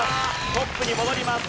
トップに戻ります。